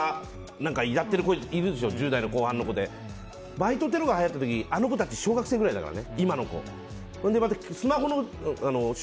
今、またやっている子がいるでしょ、１０代の後半の子でバイトテロがはやった時はあの子たち小学生ぐらいでしょ。